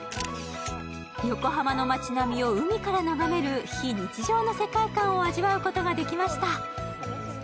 横浜の町並みを海から眺める非日常の世界観を味わうことができました。